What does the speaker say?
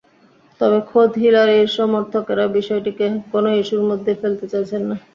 তবে খোদ হিলারির সমর্থকেরা বিষয়টিকে কোনো ইস্যুর মধ্যেই ফেলতে চাইছেন না।